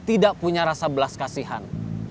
tidak punya rasa belas kasihan